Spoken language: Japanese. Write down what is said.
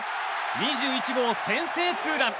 ２１号先制ツーラン。